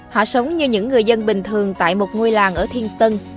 họ sống như những người dân bình thường tại một ngôi làng ở thiên tân